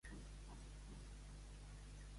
Quina ha estat la postura d'Antoni Estañ?